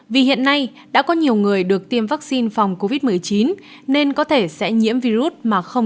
vì hiện nay đã có nhiều người được tiêm vaccine phòng covid một mươi chín nên có thể sẽ nhiễm virus mà không